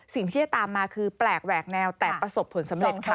สิ่งที่จะตามมาคือแปลกแหวกแนวแต่ประสบผลสำเร็จค่ะ